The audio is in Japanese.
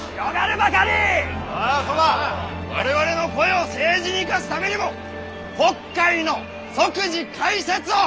我々の声を政治に生かすためにも国会の即時開設を求める！